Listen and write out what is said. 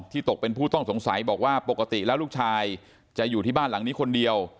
ตกเป็นผู้ต้องสงสัยบอกว่าปกติแล้วลูกชายจะอยู่ที่บ้านหลังนี้คนเดียว